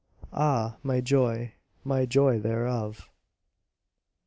Ah, my joy, my joy thereof!